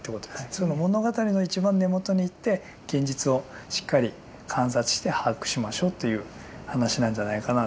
その物語の一番根元に行って現実をしっかり観察して把握しましょうという話なんじゃないかなというのはすごく。